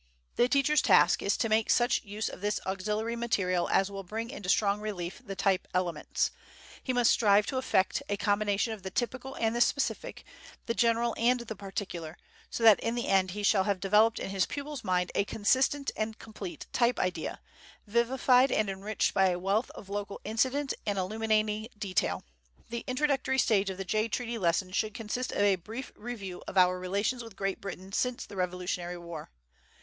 The teacher's task is to make such use of this auxiliary material as will bring into strong relief the type elements. He must strive to effect a combination of the typical and the specific, the general and the particular, so that in the end he shall have developed in his pupil's mind a consistent and complete type idea, vivified and enriched by a wealth of local incident and illuminating detail. The introductory stage of the Jay Treaty lesson should consist of a brief review of our relations with Great Britain since the Revolutionary War.